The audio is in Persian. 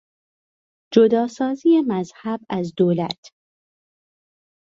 جداسازی مذهب از دولت